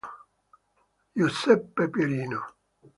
Giuseppe Pierino